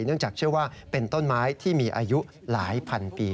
เนื่องจากเชื่อว่าเป็นต้นไม้ที่มีอายุหลายพันปี